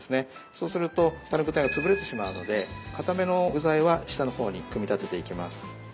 そうすると下の具材が潰れてしまうのでかための具材は下の方に組み立てていきます。